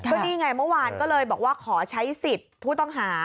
ก็นี่ไงเมื่อวานก็เลยบอกว่าขอใช้สิทธิ์ผู้ต้องหา